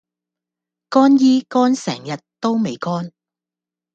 乾衣乾成日都未乾